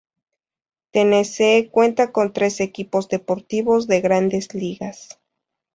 Tennessee cuenta con tres equipos deportivos de grandes ligas.